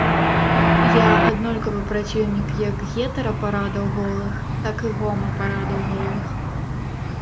Я аднолькава праціўнік як гетэрапарадаў голых, так і гомапарадаў голых.